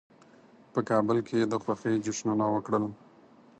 په کابل کې د خوښۍ جشنونه وکړل.